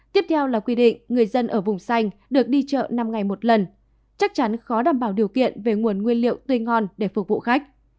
tiếp theo là quy định người dân ở vùng xanh được đi chợ năm ngày một lần chắc chắn khó đảm bảo điều kiện về nguồn nguyên liệu tươi ngon để phục vụ khách